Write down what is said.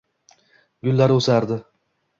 gullar o‘sardi.